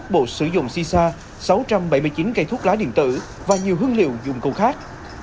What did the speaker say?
một trăm ba mươi một bộ sử dụng xì xa sáu trăm bảy mươi chín cây thuốc lá điện tử và nhiều hương liệu dùng câu khác